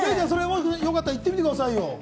よかったら行ってみてくださいよ。